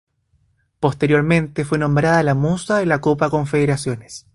Posteriormente, fue nombrada la Musa de la Copa Confederaciones.